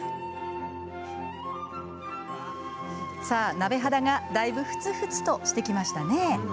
さあ鍋肌がだいぶふつふつとしてきましたね。